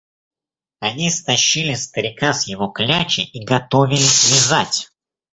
Они стащили старика с его клячи и готовились вязать.